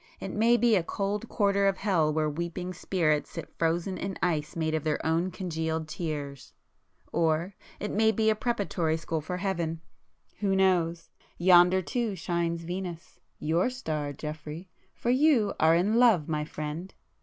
It may be a cold quarter of hell where weeping spirits sit frozen in ice made of their own congealed tears,—or it may be a preparatory school for Heaven—who knows! Yonder too, shines Venus,—your star Geoffrey!—for you are in love my friend!